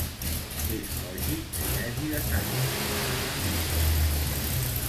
“És lògic que hi hagi desànim”, em diu.